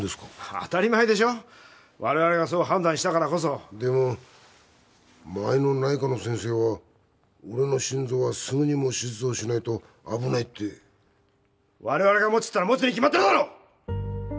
当たり前でしょ我々がそう判断したからこそでも前の内科の先生は俺の心臓はすぐにも手術しないと危ないって我々がもつと言ったらもつに決まってるだろ！